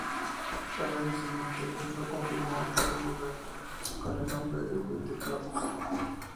Al año siguiente, el club confirmó que jugaría con el nombre "Whitecaps".